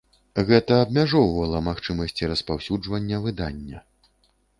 Гэта абмяжоўвала магчымасці распаўсюджвання выдання.